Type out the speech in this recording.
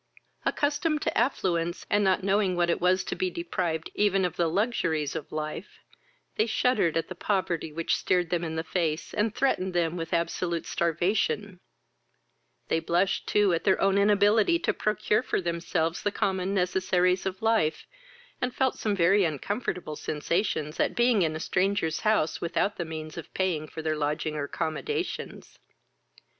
Accustomed to affluence, and not knowing what it was to be deprived even of the luxuries of life, they shuddered at the poverty which stared them in the face, and threatened them with absolute starvation: they blushed too at their own inability to procure for themselves the common necessaries of life, and felt some very uncomfortable sensations at being in a stranger's house without the means of paying for their lodging or accommodations.